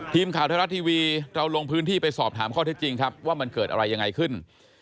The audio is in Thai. ทีมข่าวไทยรัฐทีวีเราลงพื้นที่ไปสอบถามข้อเท็จจริงครับว่ามันเกิดอะไรยังไงขึ้น